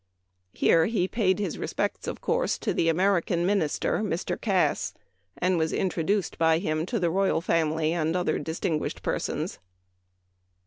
Here he paid his respects, of course, to the American Minister, Mr. Cass, and was introduced by him to the royal family and other distin guished persons.